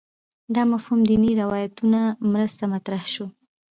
دا مفهوم دیني روایتونو مرسته مطرح شو